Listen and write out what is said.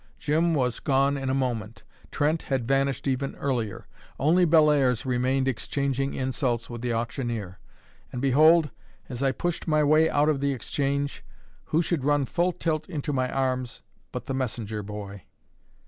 Jim was gone in a moment; Trent had vanished even earlier; only Bellairs remained exchanging insults with the auctioneer; and, behold! as I pushed my way out of the exchange, who should run full tilt into my arms, but the messenger boy?